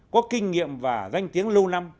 có kinh nghiệm và danh tiếng lâu năm